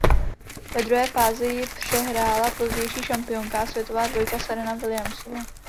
Ve druhé fázi ji přehrála pozdější šampionka a světová dvojka Serena Williamsová.